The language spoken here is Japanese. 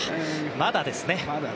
まだですね。